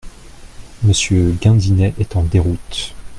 Monsieur Gindinet est en déroute.